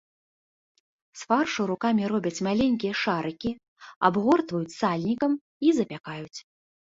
З фаршу рукамі робяць маленькія шарыкі, абгортваюць сальнікам і запякаюць.